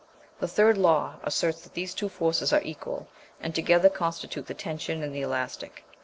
The third law asserts that these two forces are equal, and together constitute the tension in the elastic.